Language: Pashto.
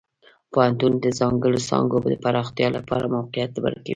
پوهنتون د ځانګړو څانګو د پراختیا لپاره موقعیت ورکوي.